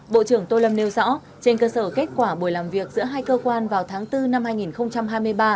bộ trưởng tô lâm nêu rõ trên cơ sở kết quả buổi làm việc giữa hai cơ quan vào tháng bốn năm hai nghìn hai mươi ba